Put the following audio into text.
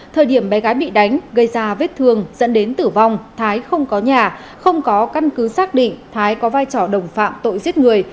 thời điểm bé gái bị đánh gây ra vết thương dẫn đến tử vong thái không có nhà không có căn cứ xác định thái có vai trò đồng phạm tội giết người